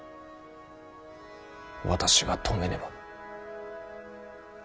私が止めねば。